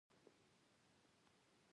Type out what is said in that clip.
ایمان زړه ته سکون ورکوي